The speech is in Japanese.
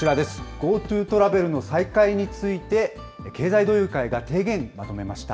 ＧｏＴｏトラベルの再開について経済同友会が提言をまとめました。